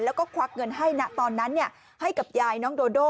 แล้วก็ควักเงินให้นะตอนนั้นให้กับยายน้องโดโด